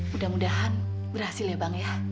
mudah mudahan berhasil ya bang ya